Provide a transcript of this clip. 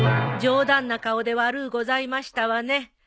冗談な顔で悪うございましたわね。